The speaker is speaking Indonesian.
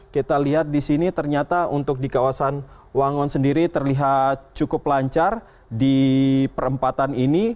kita lihat di sini ternyata untuk di kawasan wangon sendiri terlihat cukup lancar di perempatan ini